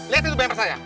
lihat itu bimber saya